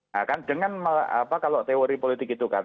nah kan dengan kalau teori politik itu kan